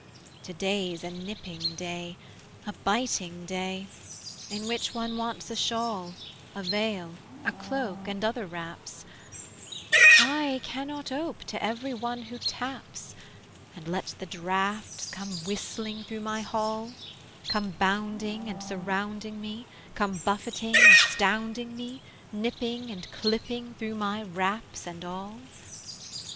To day's a nipping day, a biting day; In which one wants a shawl, A veil, a cloak, and other wraps: I cannot ope to every one who taps, And let the draughts come whistling through my hall; Come bounding and surrounding me, Come buffeting, astounding me, Nipping and clipping through my wraps and all.